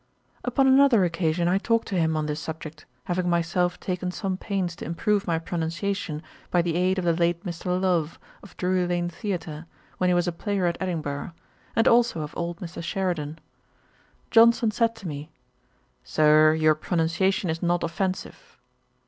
Upon another occasion I talked to him on this subject, having myself taken some pains to improve my pronunciation, by the aid of the late Mr. Love, of Drury lane theatre, when he was a player at Edinburgh, and also of old Mr. Sheridan. Johnson said to me, 'Sir, your pronunciation is not offensive.'